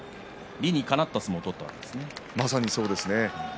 理にかなった相撲を取ったんですね。